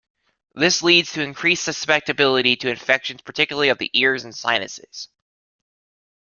This leads to increased susceptibility to infections, particularly of the ears and sinuses.